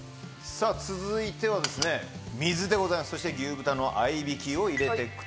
続いてはですね水でございますそして牛豚の合いびきを。